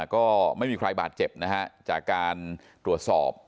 ก็ไม่มีใครบาดเจ็บนะฮะจากการตรวจสอบ